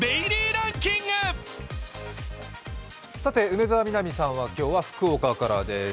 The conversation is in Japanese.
梅澤美波さんは今日は福岡からです。